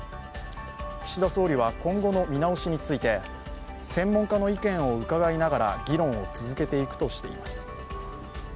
岸田総理は、今後の見直しについて専門家の意見を伺いながら議論を続けていくとしています。